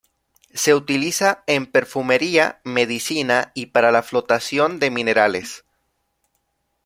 Se utiliza en perfumería, medicina y para la flotación de minerales.